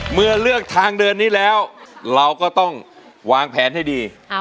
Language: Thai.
เมื่อเลือกทางเดินนี้แล้วเราก็ต้องวางแผนให้ดี